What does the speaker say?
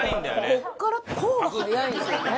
ここからこうが速いんですよね。